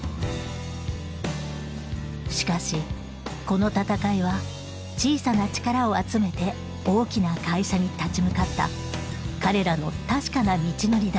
しかしこの闘いは小さな力を集めて大きな会社に立ち向かった彼らの確かな道のりだった。